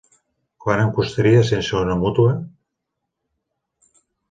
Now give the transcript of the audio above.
Quant em costaria sense una mútua?